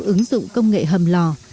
ứng dụng công nghệ hầm lò